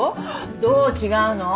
どう違うの？